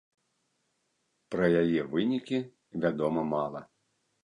Пра яе вынікі вядома мала.